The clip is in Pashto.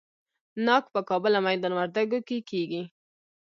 ناک په کابل او میدان وردګو کې کیږي.